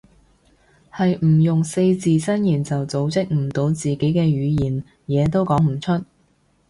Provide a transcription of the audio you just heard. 係唔用四字真言就組織唔到自己嘅語言，嘢都講唔出